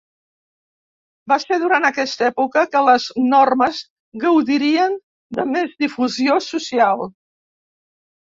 Va ser durant aquesta època que les normes gaudirien de més difusió social.